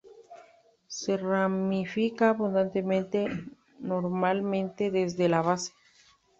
Se ramifica abundantemente, normalmente desde la base.